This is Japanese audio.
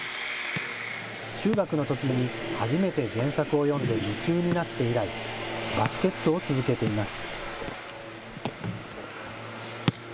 中学のときに初めて原作を読んで夢中になって以来、バスケットを続けています。